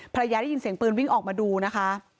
ได้ยินเสียงปืนวิ่งออกมาดูนะคะ